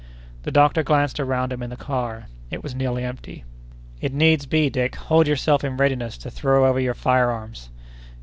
The doctor glanced around him in the car. It was nearly empty. "If needs be, Dick, hold yourself in readiness to throw over your fire arms!"